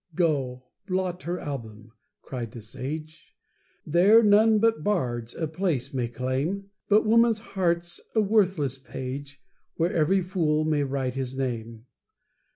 "Go! blot her album," cried the sage, "There none but bards a place may claim; But woman's heart's a worthless page, Where every fool may write his name."